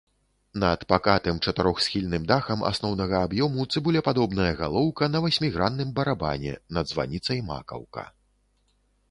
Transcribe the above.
Над пакатым чатырохсхільным дахам асноўнага аб'ёму цыбулепадобная галоўка на васьмігранным барабане, над званіцай макаўка.